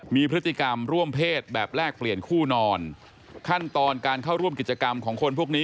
มีพฤติกรรมร่วมเพศแบบแลกเปลี่ยนคู่นอนขั้นตอนการเข้าร่วมกิจกรรมของคนพวกนี้